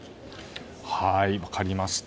分かりました。